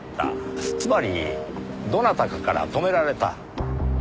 つまりどなたかから止められた。